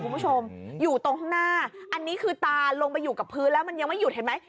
คุณผู้ชมอยู่ตรงข้างหน้าอันนี้คือตาลงไปอยู่กับพื้นแล้วมันยังไม่หยุดเห็นไหม